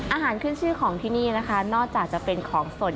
อาหารขึ้นชื่อของที่นี่นะคะนอกจากจะเป็นของสด